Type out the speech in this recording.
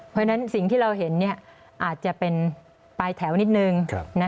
เพราะฉะนั้นสิ่งที่เราเห็นอาจจะเป็นปลายแถวนิดนึง